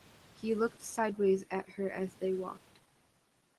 He looked sideways at her as they walked.